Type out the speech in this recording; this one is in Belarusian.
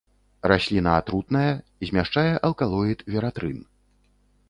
Расліна атрутная, змяшчае алкалоід вератрын.